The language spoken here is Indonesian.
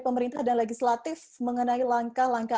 pemerintah dan legislatif mengenai langkah langkah